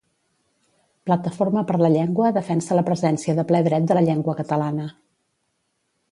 Plataforma per la Llengua defensa la presència de ple dret de la llengua catalana